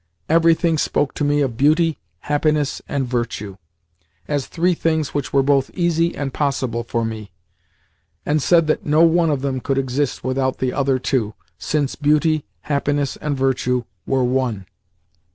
Everything spoke to me of beauty, happiness, and virtue as three things which were both easy and possible for me and said that no one of them could exist without the other two, since beauty, happiness, and virtue were one.